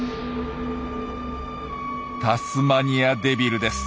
タスマニアデビルです。